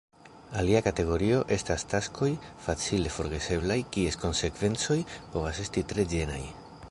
Alia kategorio estas taskoj facile forgeseblaj, kies konsekvencoj povas esti tre ĝenaj.